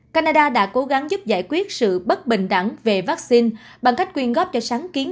canada đã cố gắng giúp giải quyết sự bất bình đẳng về vaccine bằng cách quyên góp cho sáng kiến